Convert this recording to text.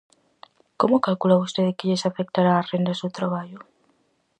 Como calcula vostede que lles afectará ás rendas do traballo?